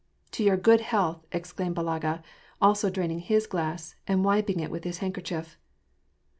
" To your good health !" exclamed Balaga, also draining his glass and wiping it with his handkerchief.